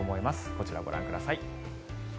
こちら、ご覧ください。